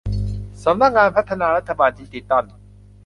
สำนักงานพัฒนารัฐบาลดิจิทัล